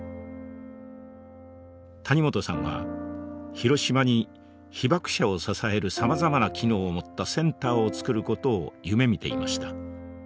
谷本さんは広島に被爆者を支えるさまざまな機能を持ったセンターをつくる事を夢みていました。